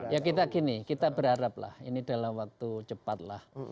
ya kita gini kita berharap lah ini dalam waktu cepat lah